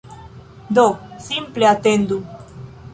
Do, simple atendu